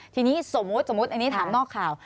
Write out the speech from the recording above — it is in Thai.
ทีนี้สมมุติอันนี้ถามนอกข่าว